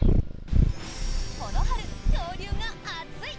この春、恐竜が熱い！